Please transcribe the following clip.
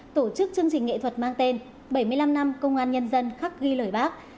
tổ chức chương trình nghệ thuật mang tên bảy mươi năm năm công an nhân dân khắc ghi lời bác